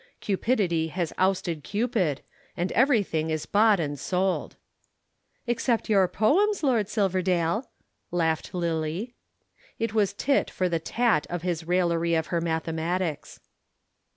Cupidity has ousted Cupid, and everything is bought and sold." "Except your poems, Lord Silverdale," laughed Lillie. It was tit for the tat of his raillery of her mathematics.